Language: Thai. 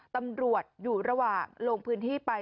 ตำรวจอยู่ระหว่างลงพื้นที่ไป